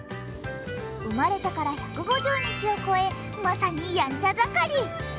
生まれてから１５０日を超え、まさにやんちゃ盛り。